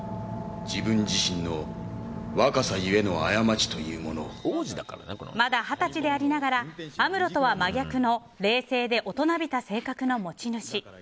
自分自身の若さ故のまだ二十歳でありながらアムロとは真逆の冷静で大人びた性格の持ち主。